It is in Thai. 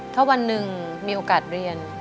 ถ้าวันหนึ่งมีโอกาสเรียน